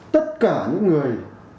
tất cả những người